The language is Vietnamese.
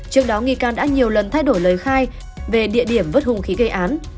trước đó nghi can đã nhiều lần thay đổi lời khai về địa điểm vất hùng khí gây án